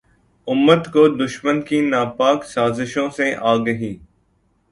امت کو دشمن کی ناپاک سازشوں سے آگاہی